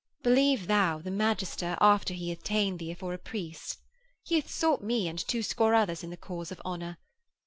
'Believe thou the magister after he hath ta'en thee afore a priest. He hath sought me and two score others in the cause of honour.